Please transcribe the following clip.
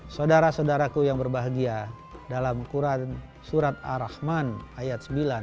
saudara saudaraku yang berbahagia dalam quran surat ar rahman ayat sembilan